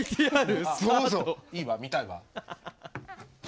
いいわ見たいわ。